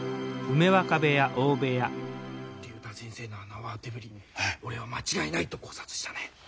竜太先生のあの慌てぶり俺は間違いないと考察したね。